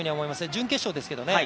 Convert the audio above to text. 準決勝ですけどね。